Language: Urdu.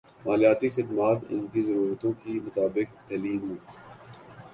مالیاتی خدمات ان کی ضرورتوں کے مطابق ڈھلی ہوں